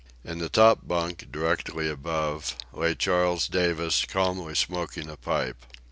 In the top bunk, directly above, lay Charles Davis, calmly smoking a pipe.